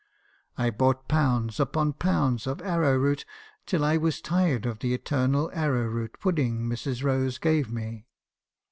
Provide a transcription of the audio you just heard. I bought pounds upon pounds of arrow root, till I was tired of the eternal arrow root puddings Mrs. Rose gave me.